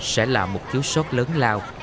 sẽ là một chiếu sót lớn lao